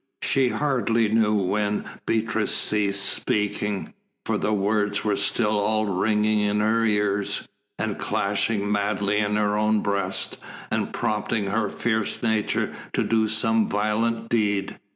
She hardly knew when Beatrice ceased speaking, for the words were still all ringing in her ears, and clashing madly in her own breast, and prompting her fierce nature to do some violent deed.